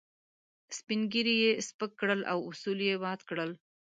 سپين ږيري يې سپک کړل او اصول يې مات کړل.